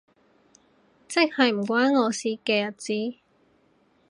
即係唔關我事嘅日子